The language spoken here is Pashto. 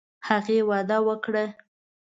هغې وعده وکړه.